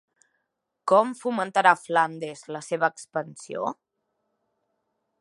Com fomentarà Flandes la seva expansió?